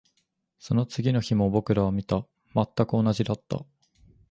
その次の日も僕らは見た。全く同じだった。